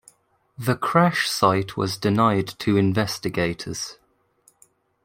The crash site was denied to investigators.